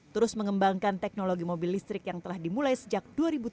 terus mengembangkan teknologi mobil listrik yang telah dimulai sejak dua ribu tujuh belas